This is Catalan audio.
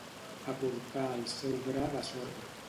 Aportar el seu gra de sorra.